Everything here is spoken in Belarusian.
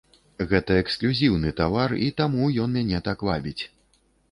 Гэта эксклюзіўны тавар, і таму ён мяне так вабіць.